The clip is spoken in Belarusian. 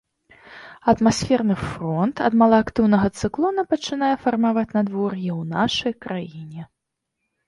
Атмасферны фронт ад малаактыўнага цыклона пачынае фармаваць надвор'е ў нашай краіне.